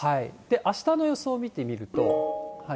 あしたの予想見てみると。